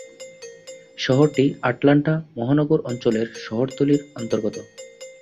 শহরটি আটলান্টা মহানগর অঞ্চলের শহরতলির অন্তর্গত।